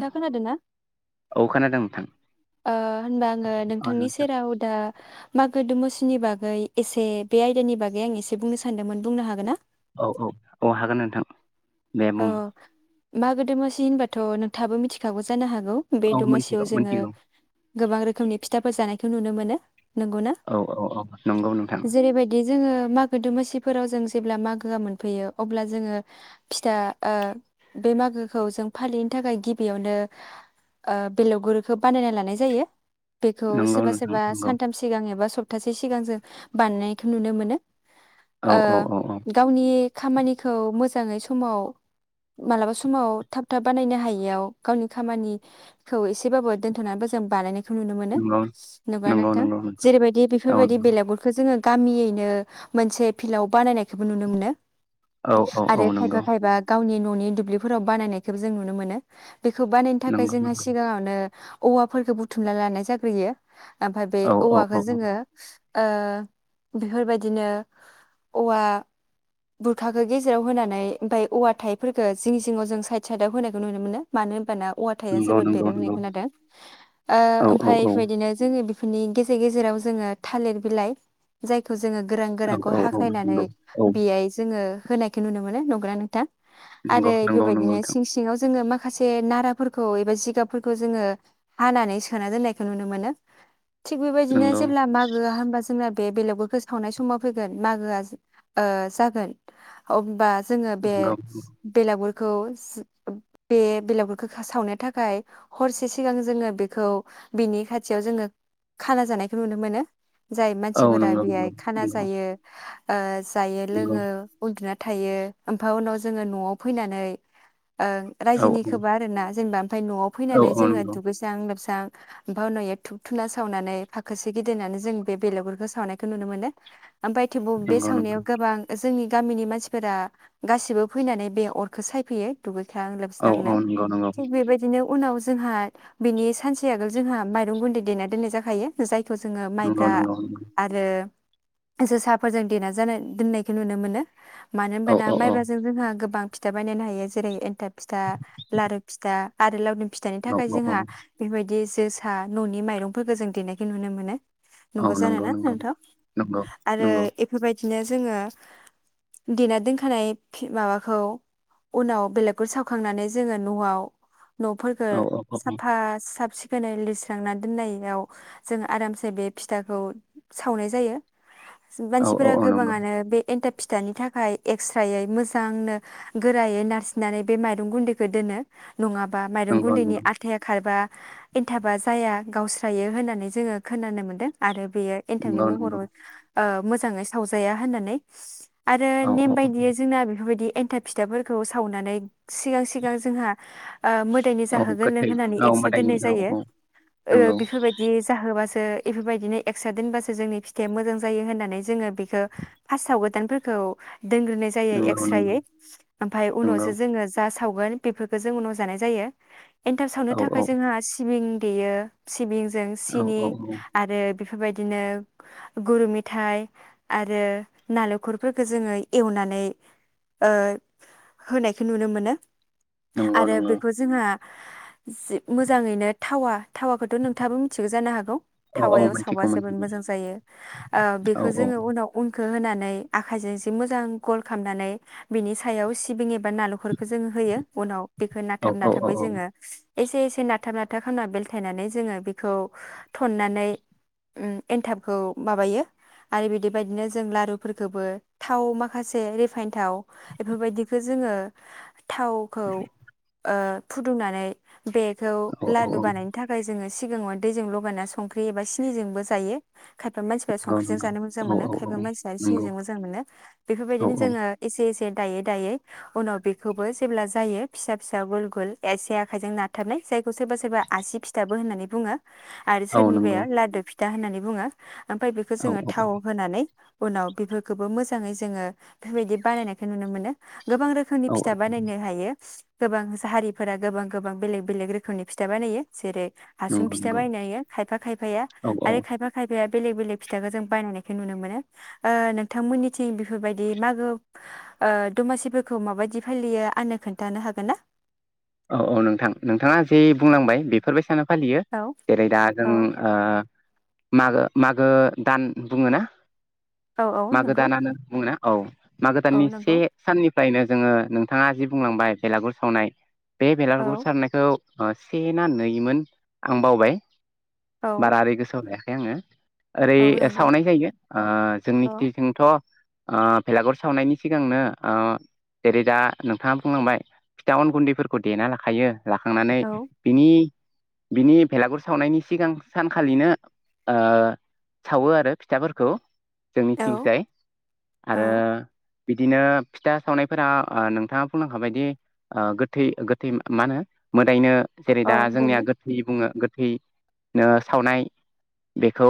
नोंथाङा खोनादोंना अ खोनादों नोंथां होनबा आङो औ नोंथांनि नोंथां सेराव दा मागो दमसिनि बागै एसे बे आयदानि बागै आं एसे बुंनो सानदोंमोन बुंनो हागोन ना औ औ औ हागोन नोंथां दे औ बुं मागो दमासि होनबाथ' नोंथाबो मिथिखागौ जानो हाग गौ बे औ दमासि मोनथिगौ जोङो मोनथिगौ गोबां रोखोमनि फिथाफोर जानाय खौ नुनो मोनो नंगौना औ औ औ नंगौ नोंथां जेरैबायदि जोङो मागो दमासि फोराव जों जेब्ला मागोआ मोनफैयो अब्ला जोङो फिथा ओ बे मागोखौ जों फालिनो थाखाय गिबियावनो बेलगगुरखौ बानायना लानाय जायो बेखौ नंगौ सोरबा नोंथां सोरबा नंगौ सानथाम सिगां एबा सफ सप्तासे सिगां जों बानायनायखौ नुनो मोनो औ ओ औ औ औ गावनि खामानिखौ मोजाङै स समाव मालाबा समाव थाब थाब बानायनो हायियाव गावनि खामानिखौ एसेबाबो दोनथ'नानैबो जों बानायख नुनो मोनो नंगौ नुब्ला नंगौ नोंथां नंगौ जेरैबायदि औ बेफोरबायदि बेलेगुरखौ जोङो गामियैनो मोनसे फिल्डआव बानायनायखौबो नुनो मोनो। औ औ औ आरो खायफा नंगौ नंगौ खायफा गावनि न'नि दुब्लिफोराव बानायनायखौ जों नुनो मोनो। बेखौ बानायनो थाखाय जोंहा नंगौ सिगाङावनो औवाफोरखौ बुथुमना लानाय जाग्रोयो। ओमफ्राय बे औ औ औ औवाखौ जोङो ओ बेफोरबायदिनो औवा बुरथाखो गेजेराव होनानै ओमफ्रायाय औवा थाइफोरखौ जिं जिङाव जों साइद साइदाव होनायखौ नुनो मोनो मानो होनबाना औवाथाया नंगौ जोबोद नंगौ बेरो होननाय नंगौ खोनादों औ औ ओमफ्राय औ बेबायदिनो जोङो बिनि गेजेर गेजेराव जोङो थालिर बिलाइ जायखौ जों जोङो गोरान गोरानखौ औ औ हाख्लायनानै नंगौ औ बेयाय जोङो होनायखौ नुनो मोनो नोंथां आरो नंगौ नंगौ नंगौ बेबायदिनो नोंथां सिं सिङाव जोङो माखा माखासे नाराफोरखौ एबा जिगाबफोरखौ जोङो हानानै सोना दोननायखौ नुनो मोनो थिग बेबायदिनो नंगौ जेब्ला मागोआ होमबा जोंना बे बेलेगुरखौ सावनाय समाव फैगोन मागोआ ओ जागोन अबबा जोङो बे नंगौ बेलागुर बे बेलावफोरखौ सावनो थाखाय हरसे सिगां जोङो बेखौ बिनि खाथियाव जोङो खाना जानायखौ नुनो मोनो। जाय औ मानसिफोरा नंगौ बेहाय नंगौ खाना नंगौ जायो औ जायो नंगौ लोङो बगिना थायो ओमफ्राय उनाव जोङो न'आव फैनानै औ रायजोनिखौोबा आरो ना जेनेबा ओमफफ्राय न'आव औ फैनानै औ जोङो नंगौ दुगैसां लोबसां बाव नयो थुुब थुना सावनानै फाखोसे गिदिंनानै जों बेलेगुरफोरखौ सावनायखौ नुनो मोनो ओमफ्रायाय थेवब नंगौ बे नंगौ सावनायाव गोबां जोंनि गामिनि मानसिफोरा गासिबो फैनानै बे अरखौ सायफैयो दुगै औ लोबसांनो औ नंगौ थिक बेबायदिनो उनाव जोंहा बिनि सानसे आगोल जोंहा माइरं गुन्दै देना दोननाय जाखायो जाय थ' जोङो नंगौ नंगौ माइब्रा आरो जो साहाफोरजों देना जानाय दोननायखौ नुनो मोनो मानो औ औ होनबाना जोंहा गोां फिथा बायनो हायो जेरै एथ फिथा लारु फिथा आरो ल फिथाइनि थाखाय औ औ औ औ जोंहा बेफोरबायदि जोसा न'नि माइरंफोरखौ जों देनायखौ नुनो मोनो औ नंगौ जानोना नंगौ नोंथाव नंगौ आरो नंगौ बेफोरबायदि बिदिनो जोङो देना दोनखानाय माबाखौ उनाव बेलेगखौ सावखांनानै जोङो न'आव न'फोरखौ औ औ औ साफा साफ सिखोन फोनै लिरस्रांना दोननायाव जों आरामसे बे फिथाखौ सावनाय जायो औ औ मानसिफोरा औ नंगौ गोबाङानो बे एन्टार फिथानि थाखाय एक्स रायै मोजांनो गोरायै नारसिननानै बे माइरं गुन्दैखौ दोनो नङाबा माइरं नंगौ गुन्दैनि नंगौ आथाया खारबा एन्थाबा जाया गावस्रायो होननानै जोङो खोनानो मोनदों आरो बेयो एन्थामनि नंगौ नंगौ महराव ओ मोजाङै सावजाया होननानै आरो औ औ नेम बायदियै बेफोरबायदि एन्थाब फिथाफोरखौ सावनानै सिगां सिगां जोंहा ओ मोदायनि औ जाहोगोर गोथै लोंहोनानै औ एक्सट्रा मोदायनि दोननाय औ जायो औ ओ नंगौ बेफोरबायदि जाहोबासो ओ एफोरबायदिनो एक्सट्रा दोनबासो जोंनि फिथाइआ मोजां जायो होननानै जोङो बेखौ हा सावगोदानफोरखौ दोनग्रोनाय जायो नंगौ नंगौ एक्सस्रायै आमफाय नंगौ उनावसो जोङो जास सावगोन बेफोरखौ जों उनाव जानाय जायो। एन्टाब सावनो औ औ थाखाय जोङो आसि सिबिं देयो सिबिं जों औ सिनि औ आरो बेफोरबायदिनो गुर मेथाइ आरो नालेंखरफोरखौ जोङो एवनानै ओ होनायखौ नुनो मोनो। नंगौ आरो नंगौ बेखौ जोङो जि मोजाङैनो थावा थावाखौथ' नोंथाङाबो मिथिगौ जानो हागौ औ औ थावायाव सावबा मिथिगौ जोबोद मिथिगौ मोजां जायो ओ औ बेखौ औ जोङो उनाव उन होनानै आखाइजों इसे मोजां गल खामनानै बिनि सायाव सिबिं बा नालेंखरखौ जों होयो। उनाव बेखौ औ नाथाब औ औ नाथाबै जोङो एसे एसे नाथाब नाथाब खालामना बेलथायनानै जोङो बेखौ थन्नानै उम एनथाबखौ माबायो आरो बिदि बायदिनो जों लारुफोरखौबो थाव माखासे रिफाइन थाव बेफोरबायदिखौ जोङो थावखौ ओ फुदुंनानै बेखौ औ औ लादु औ बानायनो थाखाय जोङो सि सिगाङाव दैजों लगायना संख्रि एबा सिनिजोंबो जायो। खायफा मानसिफ्रा नंगौ संख्रिजों नंगौ जानो मोजां औ मोनो औ औ खायफा मानसिया नंगौ सिनिजों मोजां मोनो। औ बेफोरबायदिनो औ जोङो एसे एसे दायै दायै उनाव बेखौबो जेब्ला जायो फिसा फिसा गुल गुल एसे आखाइजों नारथाबनाय सोरबा सोरबा आसि फिथाबो होननानै बुङो आरो औ नंगौ सोरनिबाया लादु फि था होननानै बुङो। ओमफ्राय बेखौ औ जोङो औ थाव होनानै उनाव बेफोरखौबो मोजाङै जोङो बेफोरबायदि बानायनायखौ नुनो मोनो गोबां रोखोमनि फिथा औ बानायनो हायो। गोबां मोसा हारिफोरा गोबां गोबां बेलेग बेलेग रोखोमनि फिथा बानायो जेरै- हासुं नंगौ फिथा नंगौ बानायो खायफा खायफाया औ आरो खायफा खायफाया बेलेक बेलेक फिथाखौ जों बानायनायखौ नुनो मोनो ओ नोंथां मोननिथिं थिं बेफोरबायदि मागो दमासिफोरखौ माबायदि फालियो आंनो खोन्थानो हागोन ना? औ औ नोंथां नोंथांङा जे बुंलांबाय बेफोर बायसानो फालियो औ जेरै दा जों औ ओ मागो मागो दान बुंङो ना? औ औ मागो नंगौ दानानो बुंङोना? औ मागो औ दाननि से नंगौ साननि फ्रायनो जोङो नोंथांङा जि बुंलांबाय बेलागुर सावनाय बे औ बेलागुर सारनायखौ ओ से ना नैमोन आं बावबाय औ बारा ओरै गोसोआव थाया जोङो ओरै औ ओ नंगौ सावनाय जायो ओ जोंनि औ खिथिजोंथ' ओ बेलागुर सावनायनि सिगांनो ओ जेरै दा नोंथांङा बुंलांबाय फिथा अन गुन्दैफोरखौ खौ देना लाखायो लाखांनानै औ बिनि बिनि बेलागुर सावनायनि सिगां सानखालिनो ओ सावो आरो फिथाफोरखौ औ जोंनिथिंजाय औ आरो बिदिनो फिथा सावनायफोरा ओ नोंथांङा बुंलांखाबायदि ओ गो थै गोथै मा-माहोनो जायनो जेरै दा जोंनिया ओमफ्रायो गोथै बुंङो । ख्रि नो सावनाय बेखौ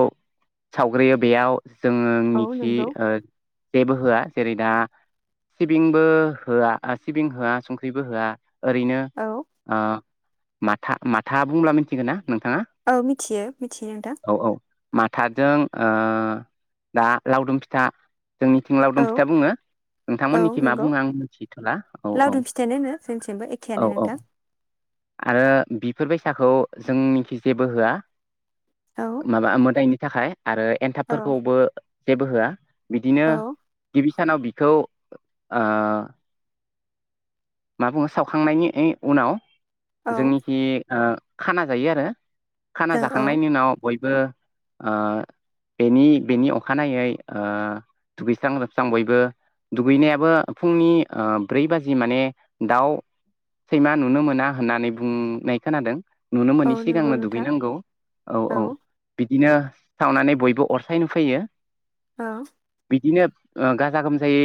सावग्रोयो बेयाव औ जोंनिखि नंगौ ओ जेबो होआ जेरै दा सिबिंबो होआ आ सिबिं होआ संख्रिबो होआ ओरैनो औ आ माथा माथा बुंब्ला मिथिगोन ना? नोंथाङा औ मिथियो मिथियो नोंथां औ औ माथाजों ओ दा लावदुम फिथा जोंनि थिं लावदुम औ फिथा बुंङो औ नोंथांमोननिखि मा नंगौ बुंङो आं मिथिथ'ला औ औ लावदुम फिथायानो होनो जोंथिंबो एखेयानो औ - औ नोंथां आरो बिफोरबायदि साखौ जोंनिखि जेबो होआ औ माबा ओ मोदाइनि थाखाय आरो औ एनथाबफोरखौबो जेबो होआ बिदिनो औ गिबि सानाव बिखौ आ मा बुङो सावखांनायनि ओइ उनाव औ जोंनिखि ओ खाना जायो आरो खाना औ औ जाखांनायनि उनाव बय बो आ बेनि- बेनि अखानायै आ दुगैस्रां - लोबस्रां बयबो दुगैनायाबो फुंनि आ ब्रै बाजि माने दाव सैमा नुनो मोना होननानै बुंनाय खोनादों नुनो औ मोनि नंगौ सिगांनो नोंथां दुगैनांगौ औ- औ बिद दिनो सावनानै बयबो अर सायनो फैयो ओ बिदिनो ओ गाजा गोमजायै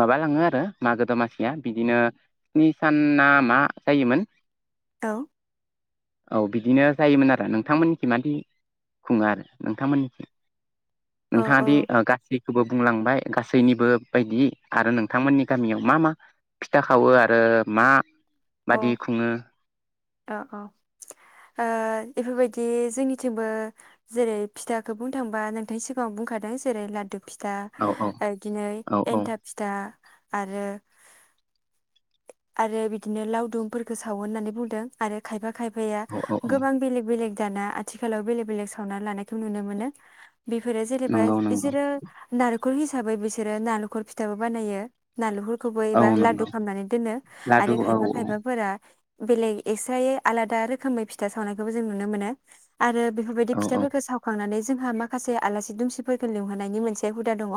माबा लाङो आरो मागो दमासिया बिदिनो स्नि सान ना मा जायोमोन औ औ बिदिनो जायोमोन आरो नोंथांमोननिथि मादि खुङो आरो नोंथांमोननिथि औ नोंथांआदि औ ओ गाससि खौबो बुंलांबाय गासैनिबो बायदि आरो नोंथांमोननि गामियाव मा मा फिथा खावो आरो मा बादि खुङो अ -अ ओ बेफोरबायदि जोंनिथिंबो जेरै फिथाखो बुंनो थांबा नोंथांनि सिगाङाव बुंखादों जेरै लाडु फिथा औ औ ओ इदिनै औ एन्थाब फिथा आरो- आरो बि दिनो लावदुमफोरखो सावो होननानै बुंदों आरो खायफा खायफाया औ औ औ गोबां बेलेग-बेलेग दाना आथिखालाव बेलेग - बेलेग सावना लानायखौ नुनो मोनो बेफोरो जेनेबा नंगौ नंगौ बिसोरो नार हिसाबै बिसोरो नालेंखर फिथाबो बानायायो नालेंखर खोबो औ एबा लादु नंगौ खामनानै दोनो लादु आरो औ खाय फा खायफाफोरा बेलेग एक्सस्रायै आलादा रोखोमै फिथा सावनायखौबो जों नुनो मोनो आरो बेफोरबायदि औ औ फिथाफोरखौ सावखांनानै जोंहा माखासे आलासि दुमसिफोरखौ लिंहोनायनि मोनसे हुदा दंङ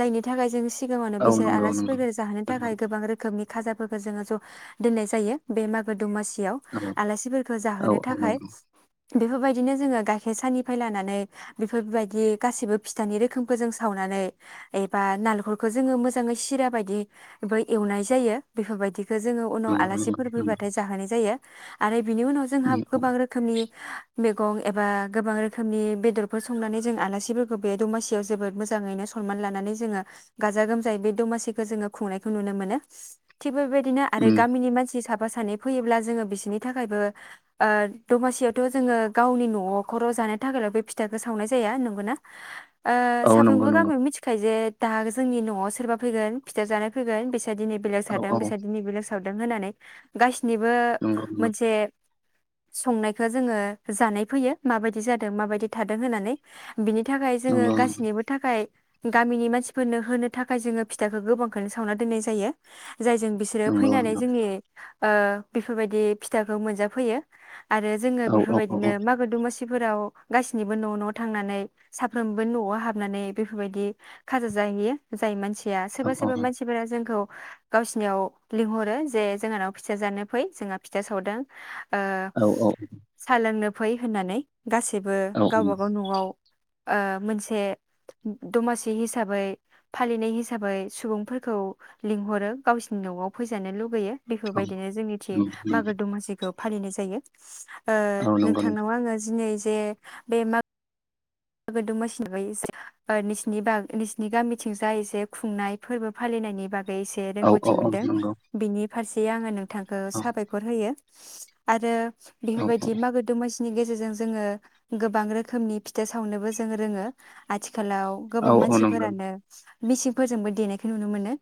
जायनि थाखाय जों सिगाङावनो औ बिसोर नंगौ नंगौ आलासिफोर जाहोनो नंगौ थाखाय गोबां रोखोमनि खाजाफोरखौ जोंङो ज दोननाय जायो बे मागो दमासि याव औ आलासिफोरखौ औ जाहोनो औ थाखाय नंगौ बेफोरबायदिनो जोंङो गाइखेर साननिफ्राय लानानै बेफोरबायदि गासैबो फिथानि रोखोमखौ जों सावनानै एबा नालेंखरखौ जोंङो मोजांङै सिरा बायदिबो एवनाय जायो बेफोरबायदि बेखौ जोंङो उनाव नंगौ आलासिफोर नंगौ नंगौ फैबाथाय जाहोनाय जायो आरो बिनि उनाव जोंहा गोबां रोखोमनि मैगं एबा गोबां रोखोमनि बेदरफोर संनानै जों आलासिफोरखौ बे दमासियाव जोबोद मोजाङैनो सनमान लानानै जोंङो गाजा गोमजायै बे दमासिखौ जोंङो खुंनायखौ नुनो मोनो थिग बेबायदि आरो उम गामिनि मानसि साब माबा सानै फैयोब्ला जोंङो बिसोरनि थाखायबो दमासियावथ जोंङो गावनि नखर जानो थाखायल बे फिथाखौ सावनाय जाया नंगौना ओ औ नंगौ साफ्रोमबो नंगौ गामियाव मिथिखायो जे दा जोंनि नआव सोरबा फैगोन फिथा जानाय फैगोन बिसोर दिनै बेलेग थ औ जादों औ बेस लोंसावदों होननानै गा निबो नंगौ नंगौ मोनसे संनायखौ जोंङो जानाय फैयो माबायदि जादों माबायदि थादों होननानै बिनि थाखाय जोंङो नंगौ गासैनिबो थाखाय गामिनि मानसिफोरनो होनो थाखाय जोंङो फिथाइखौ गोबांखौनो सावना दोननाय जायो जायजों बिसोरो नंगौ फैनानै नंगौ जोंनि ओ बेफोरबायदि फिथाखौ मोनजाफैयो आरो जोंङो औ औ औ बेफोरबायदिनो मागो दमासि सिफोराव गाससिनिबो न न थांनानै साफ्रोमबो नआव हाबनानै बेफोरबायदि खाजा जाहैयो जायो मानसि गैया औ सोरबा सोरबा मानसिफोरा जोंखौ गावसिनियाव लिंहरो जे जोंहानाव फिथा जानो फै जोंहा फिथा सावदों ओ औ सा लोंनो फै होननानै गासैबो औ नंगौ औ गाव नंगौ औ बागाव न आव ओ मोनसे दमासि हिसाबै फालिनाय हिसाबै सुबुंफोरखौ लिंहरो गावसिनि नआव फैजानो लुगैयो। बेफोरबायदिनो जोंनि थि औ मागो दमासिखौ फालिनाय जायो। नंगौ नोंथांनाव आङोनै जे बे मा गोदो मसिननि बाग नसिोरनि गामिथिं जायो जे खुंनाय फोरबो फालिनायनि बागै से रोंगौथि मोनदों बिनि फारसे आङो नों बिथांखौ साबायखर होयो आरो। बेफोरबायदि मागो द म गेजेरजों जोङो गोबां रोखोमनि सावनोबो जोंङो रोङो आथि आथिखालाव गोबां मानसिफोरानो मिसिंफोरजोंबो देनायखौ नुनो मोनो।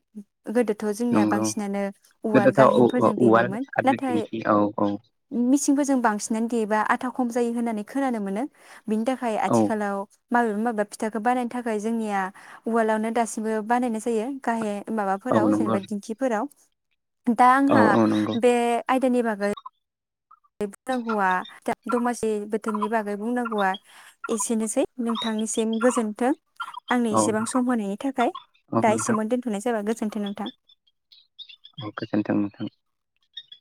गोदोथ' जोंनिया नंगौ बांसिनानो उवाल गोदोथ' औ औ गाहेनफोरजों उवाल देयोमोन आरो नाथाय दिंखि औ औ मिसिंफोरजों बांसिन। बिनानै गैयोबा आथा खम जायो होननानै खोनानो मोनो बिनि थाखाय। औ आथिखालाव माबेबा माबेबा फिथाखौ बानायनो थाखाय जोंनिया उवालआवनो दासिमबो बानायनाय जायो गाहे औ माबाफोराव नंगौ जेनेबा दिंखिफोराव। दा औ आंहा औ नंगौ बे आयदानि बागै बुंनांगौआ दमासि बोथोरनि बागै बुंनांगौआ एसेनोसै नोंथांनिसिम गोजोन्थों। आंनो औ एसेबां सम होनायनि थाखाय औ दा नोंथां एसेन दोनथ'नाय जाबाय गो गोजोन्थों नोंथां। औ थां नों थां